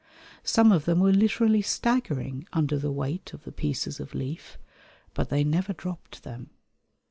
Some of them were literally staggering under the weight of the pieces of leaf, but they never dropped them.